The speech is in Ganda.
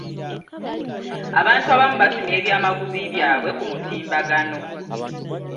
Abantu abamu batumya ebyamaguzi byabwe ku mutimbagano.